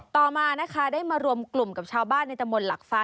ต่อมานะคะได้มารวมกลุ่มกับชาวบ้านในตะมนต์หลักฟ้า